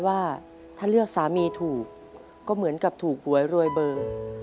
ว่าถ้าเลือกสามีถูกก็เหมือนกับถูกหวยรวยเบอร์